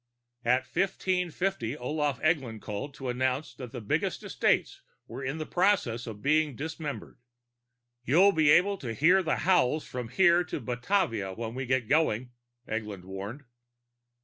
At 1515 Olaf Eglin called to announce that the big estates were in the process of being dismembered. "You'll be able to hear the howls from here to Batavia when we get going," Eglin warned.